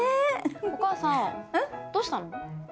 お母さんどうしたの？